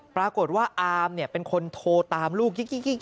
ปรากฏว่าอามเป็นคนโทรตามลูก